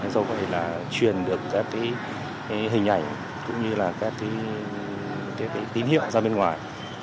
do vậy là truyền được các cái hình ảnh cũng như là các cái tín hiệu ra bên ngoài